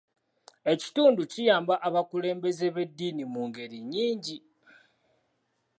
Ekitundu kiyamba abakulembeze b'eddiini mu ngeri nyingi .